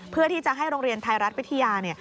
เพื่อที่จะให้โรงเรียนไทยรัฐวิทยาเนี่ย